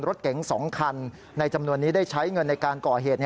รถเก๋ง๒คันในจำนวนนี้ได้ใช้เงินในการก่อเหตุ